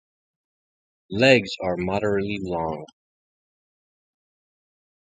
Legs are moderately long.